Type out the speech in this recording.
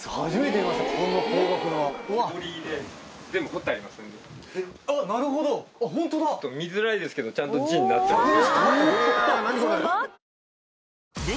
見づらいですけどちゃんと字になってます。